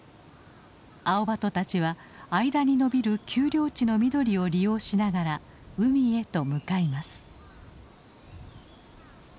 アオバトたちは間にのびる丘陵地の緑を利用しながら海へと向かいます。